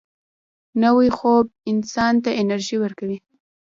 نوی خوب انسان ته انرژي ورکوي